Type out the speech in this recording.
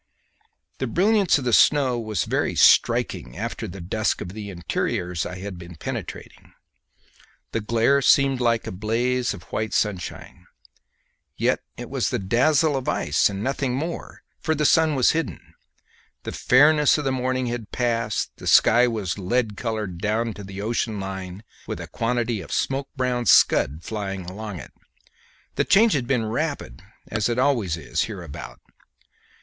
The brilliance of the snow was very striking after the dusk of the interiors I had been penetrating. The glare seemed like a blaze of white sunshine; yet it was the dazzle of the ice and nothing more for the sun was hidden; the fairness of the morning was passed; the sky was lead coloured down to the ocean line, with a quantity of smoke brown scud flying along it. The change had been rapid, as it always is hereabouts.